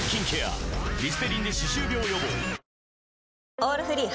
「オールフリー」